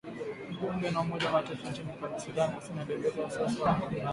Mjumbe wa Umoja wa Mataifa nchini Sudan Kusini alielezea wasi wasi wake Alhamisi.